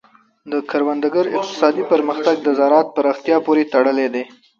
د کروندګر اقتصادي پرمختګ د زراعت پراختیا پورې تړلی دی.